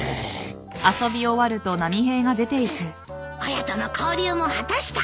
親との交流も果たした。